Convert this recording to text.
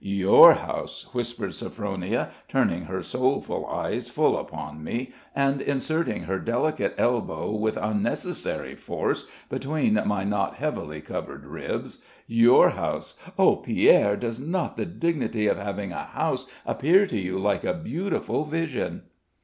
"Your house," whispered Sophronia, turning her soulful eyes full upon me, and inserting her delicate elbow with unnecessary force between my not heavily covered ribs "your house! Oh, Pierre! does not the dignity of having a house appear to you like a beautiful vision?"